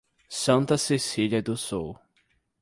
Santa Cecília do Sul